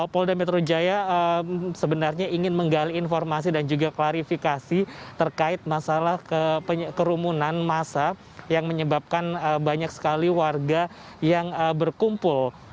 polda metro jaya sebenarnya ingin menggali informasi dan juga klarifikasi terkait masalah kerumunan masa yang menyebabkan banyak sekali warga yang berkumpul